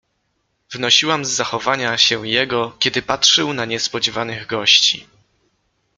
"Wnosiłam z zachowania się jego, kiedy patrzył na niespodziewanych gości."